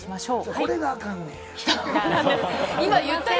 これがあかんのや。